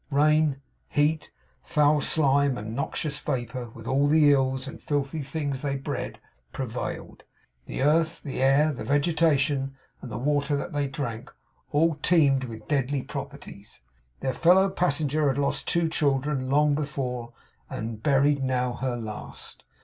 Rain, heat, foul slime, and noxious vapour, with all the ills and filthy things they bred, prevailed. The earth, the air, the vegetation, and the water that they drank, all teemed with deadly properties. Their fellow passenger had lost two children long before; and buried now her last.